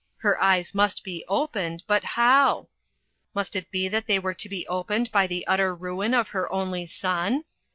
Her eyes must be opened, but how? Must it be that they were to be opened by the utter ruin of her only son